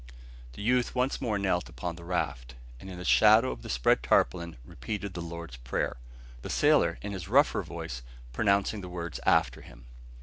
The youth once more knelt upon the raft, and in the shadow of the spread tarpaulin repeated the Lord's Prayer, the sailor, in his rougher voice, pronouncing the words after him.